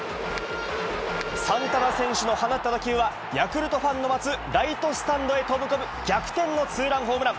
サンタナ選手の放った打球は、ヤクルトファンの待つライトスタンドへ飛ぶ逆転のツーランホームラン。